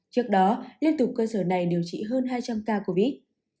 trước đó liên tục cơ sở này điều trị hơn hai trăm linh ca covid